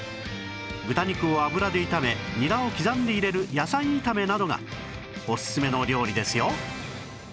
豚肉を油で炒めニラを刻んで入れる野菜炒めなどがオススメのお料理ですよ